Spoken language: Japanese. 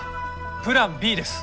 プランＢです。